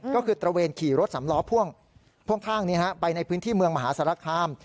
ก็คือตระเวนขี่รถสำล้อพ่วงข้างไปในพื้นที่เมืองมหาสารคาม